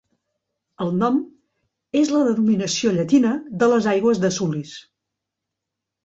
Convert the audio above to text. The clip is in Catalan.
El nom és la denominació llatina de les aigües de Sulis.